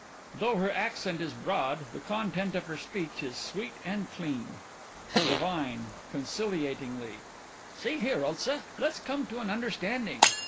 (Though her accent is broad, the content of her speech is sweet and clean.) DIVINE: (Conciliatingly) See here, Ulsa. Let's come to an understanding.